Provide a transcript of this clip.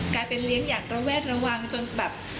กลายเป็นเลี้ยงอย่างระแวดระวังจนแบบ